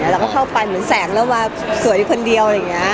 แล้วเข้าไปเหมือนแสงรอปเหนือแค่คนเดียว